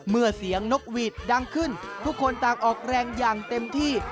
เมื่อเสียงนกหวีดดังขึ้นทุกคนต่างออกแรงอย่างเต็มที่